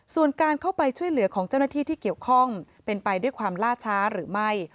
ส่วนการเข้าไปช่วยเหลือของเจ้าหน้าที่ที่เกี่ยวข้องเป็นไปด้วยความล่าช้าหรือไม่